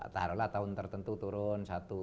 taruhlah tahun tertentu turun